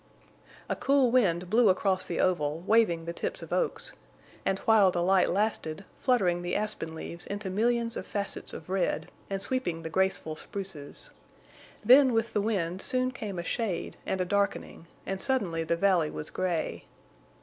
A cool wind blew across the oval, waving the tips of oaks, and while the light lasted, fluttering the aspen leaves into millions of facets of red, and sweeping the graceful spruces. Then with the wind soon came a shade and a darkening, and suddenly the valley was gray.